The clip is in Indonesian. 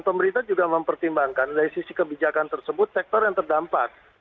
pemerintah juga mempertimbangkan dari sisi kebijakan tersebut sektor yang terdampak